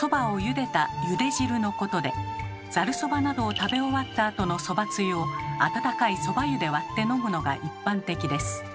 ざるそばなどを食べ終わったあとのそばつゆを温かいそば湯で割って飲むのが一般的です。